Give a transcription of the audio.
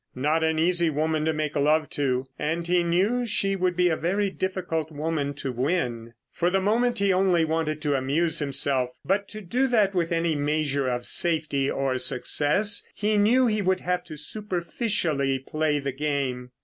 Not an easy woman to make love to, and he knew she would be a very difficult woman to win. For the moment he only wanted to amuse himself, but to do that with any measure of safety or success he knew he would have to superficially play the game.